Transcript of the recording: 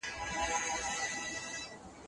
خلک د جامو لپاره ټوکران اخلي.